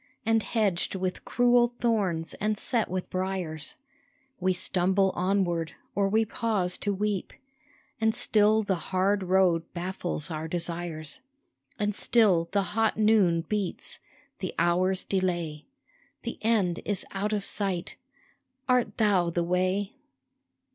And hedged with cruel thorns and set with briars ; We stumble onward, or we pause to weep, And still the hard road baffles our desires, And still the hot noon beats, the hours delay, The end is out of sight, Art Thou the way